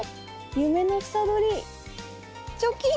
夢の房どりチョキン！